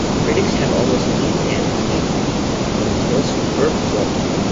Critics have almost unanimously agreed with him about the tale's superb quality.